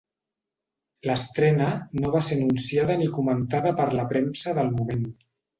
L'estrena no va ser anunciada ni comentada per la premsa del moment.